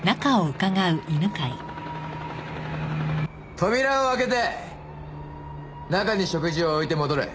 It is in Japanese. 扉を開けて中に食事を置いて戻れ。